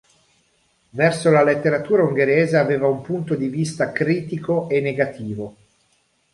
Verso la letteratura ungherese aveva un punto di vista critico e negativo.